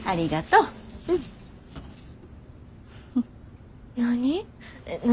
うん。何？